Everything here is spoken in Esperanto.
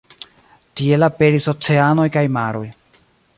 Tiel aperis oceanoj kaj maroj.